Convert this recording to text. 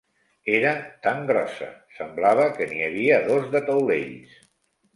Era tan grossa, semblava que n'hi havia dos de taulells.